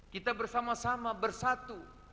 kita bersama sama bersatu